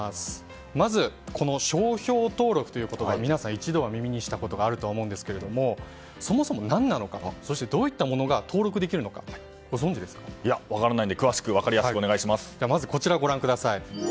まずこの商標登録という言葉を皆さん一度は耳にしたことがあると思いますがそもそも何なのかどういったものが登録できるのか分からないのでまず、こちらご覧ください。